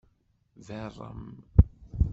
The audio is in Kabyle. Beṛṛem.